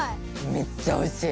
めっちゃおいしい！